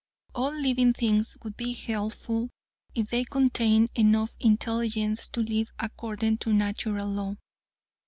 All living things would be healthful, if they contained enough intelligence to live according to Natural Law.